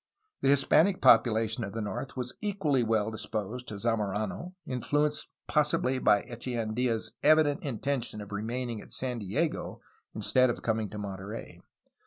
The Hispanic population of the north was equally well dis posed to Zamorano, influenced possibly by Echeandia's evident intention of remaining at San Diego instead of com ing to Monterey.